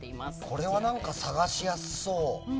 これは探しやすそう。